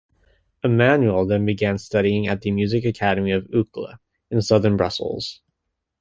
Emmanuel then began studying at the "Music Academy of Uccle" in Southern Brussels.